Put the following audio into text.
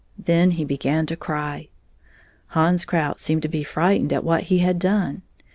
Then he began to cry. Hans Krout seemed to be frightened at what he had done.